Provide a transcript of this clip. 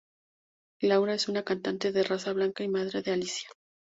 Laura es una cantante de raza blanca y madre de Alicia.